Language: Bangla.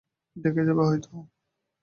ঢেকে যাবে হয়তো।